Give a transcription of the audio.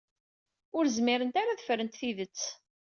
Ur zmirent ara ad ffrent tidet.